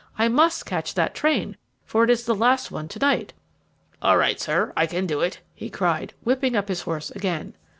I must catch that train, for it is the last one to night." "All right, sir; I can do it," he cried, whipping up his horse again.